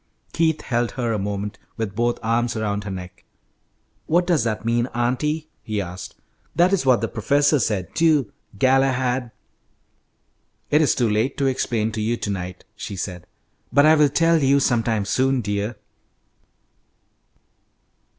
Keith held her a moment, with both arms around her neck. "What does that mean, auntie?" he asked. "That is what the professor said, too, Galahad." "It is too late to explain to you to night," she said, "but I will tell you sometime soon, dear."